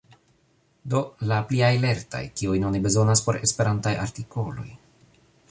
Do, la pliaj lertaj kiujn oni bezonas por esperantaj artikoloj.